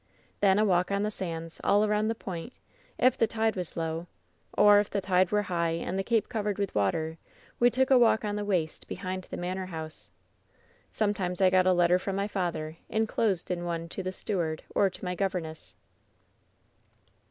"Then a walk on the sands, all around the point, if the tide was low ; or, if the tide were high and the cape covered with water, we took a walk on the waste behind the manor house. "Sometimes I got a letter from my father, inclosed ia one to the steward or to my govemesa.